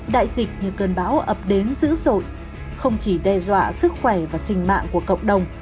đại dịch như cơn bão ập đến dữ dội không chỉ đe dọa sức khỏe và sinh mạng của cộng đồng